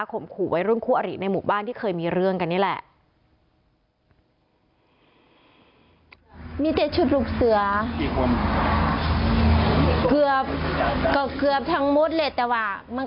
ขู่วัยรุ่นคู่อริในหมู่บ้านที่เคยมีเรื่องกันนี่แหละ